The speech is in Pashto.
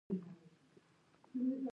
ډارېدلي دي.